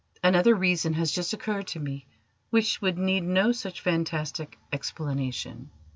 Another reason has just occurred to me which would need no such fantastic explanation."